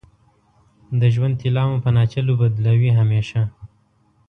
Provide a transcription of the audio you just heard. د ژوند طلا مو په ناچلو بدلوې همیشه